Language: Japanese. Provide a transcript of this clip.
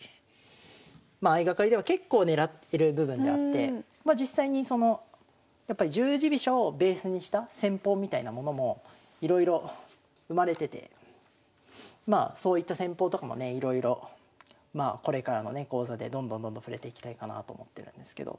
まあ相掛かりでは結構狙ってる部分であって実際にそのやっぱり十字飛車をベースにした戦法みたいなものもいろいろ生まれててまあそういった戦法とかもねいろいろこれからのね講座でどんどんどんどん触れていきたいかなと思ってるんですけど。